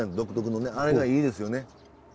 あれがいいですよね。